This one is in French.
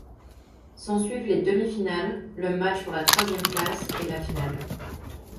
S'ensuivent les demi-finales, le match pour la troisième place et la finale.